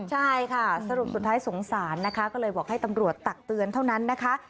ใช่ค่ะสรุปสุดท้ายสงสารนะคะก็เลยบอกให้ตำรวจตักเตือนเท่านั้นนะคะ